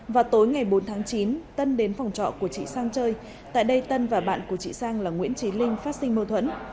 vào tối ngày bốn tháng chín tân đến phòng trọ của chị sang chơi tại đây tân và bạn của chị sang là nguyễn trí linh phát sinh mâu thuẫn